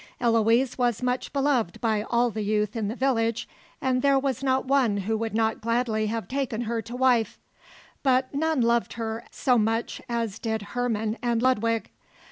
Eloise was much beloved by all the youth in the village, and there was not one who would not gladly have taken her to wife; but none loved her so much as did Herman and Ludwig.